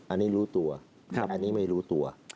อันนี้รู้ตัวอันนี้ไม่รู้ตัว